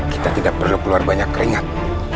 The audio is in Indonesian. kita tidak perlu keluar banyak keringat